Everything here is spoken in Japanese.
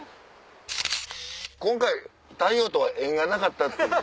今回太陽とは縁がなかったって。